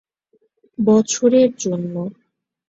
বছরের জন্য।